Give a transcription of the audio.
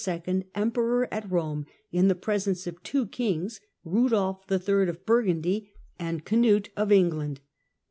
coronation Emperor at Ptome in the presence of two kings, Rudolf n.^aT'"''^ III. of Burgundy and Cnut of England.